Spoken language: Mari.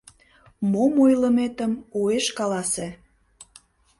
— Мом ойлыметым уэш каласе!